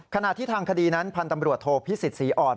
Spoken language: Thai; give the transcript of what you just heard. ขณะที่ทางคดีนั้นพันธ์ตำรวจโทพิสิทธิศรีอ่อน